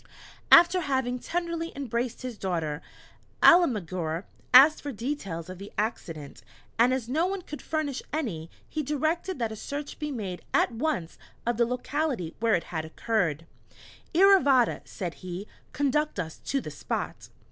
After having tenderly embraced his daughter, Alemguir asked for details of the accident, and as no one could furnish any, he directed that a search be made at once of the locality where it had occurred. "Iravata," said he, "conduct us to the spot."